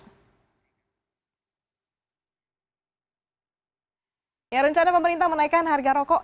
pemimpin perusahaan indonesia mengatakan bahwa perusahaan indonesia tidak akan mencapai harga rokok